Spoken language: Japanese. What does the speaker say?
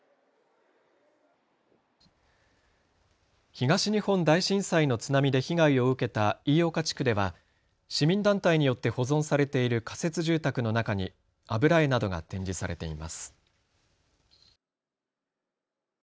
東日本大震災の津波で被害を受けた飯岡地区では市民団体によって保存されている仮設住宅の中に油絵などが展示されています。